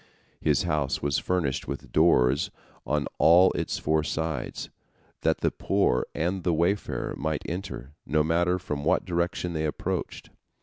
His house was furnished with doors on all its four sides, that the poor and the wayfarer might enter, no matter from what direction they approached.